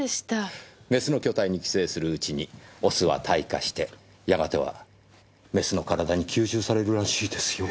メスの巨体に寄生するうちにオスは退化してやがてはメスの体に吸収されるらしいですよ。